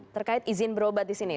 terkait izin berobat di sini